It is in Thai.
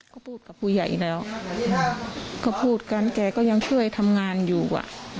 ก็พูดกับผู้ใหญ่แล้วก็พูดกันแกก็ยังช่วยทำงานอยู่